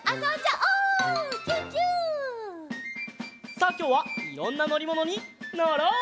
さあきょうはいろんなのりものにのろう！